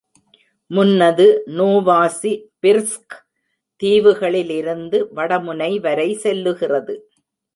முன்னது நோவாசி பிர்ஸ்க் தீவுகளிலிருந்து வடமுனை வரை செல்லுகிறது.